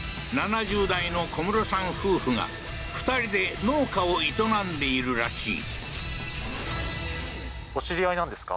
７０代のコムロさん夫婦が２人で農家を営んでいるらしい。